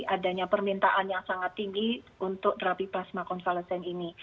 adanya permintaan yang sangat tinggi untuk terapi plasma konvalesen ini